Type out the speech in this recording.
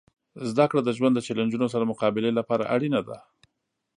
زدهکړه د ژوند د چیلنجونو سره مقابلې لپاره اړینه ده.